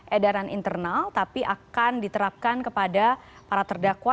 edaran internal tapi akan diterapkan kepada para terdakwa